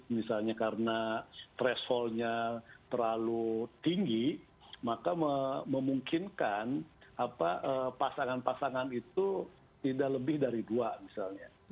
misalnya karena thresholdnya terlalu tinggi maka memungkinkan pasangan pasangan itu tidak lebih dari dua misalnya